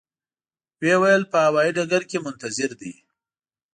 و یې ویل په هوایي ډګر کې منتظر دي.